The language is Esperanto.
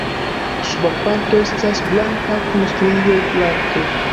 Suba parto esta blanka kun strioj flanke.